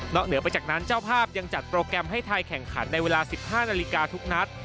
เหนือไปจากนั้นเจ้าภาพยังจัดโปรแกรมให้ไทยแข่งขันในเวลา๑๕นาฬิกาทุกนัด